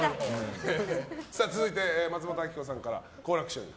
続いて松本明子さんから好楽師匠に。